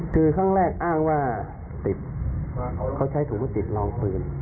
คือครั้งแรกอ้างว่าติดเขาใช้ถุงติดรองปืน